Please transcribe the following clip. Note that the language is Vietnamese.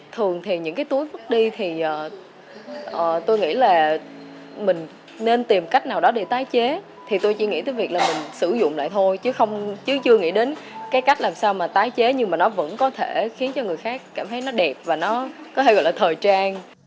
thường thì những cái túi vứt đi thì tôi nghĩ là mình nên tìm cách nào đó để tái chế thì tôi chỉ nghĩ tới việc là mình sử dụng lại thôi chứ chưa nghĩ đến cái cách làm sao mà tái chế nhưng mà nó vẫn có thể khiến cho người khác cảm thấy nó đẹp và nó có thể gọi là thời trang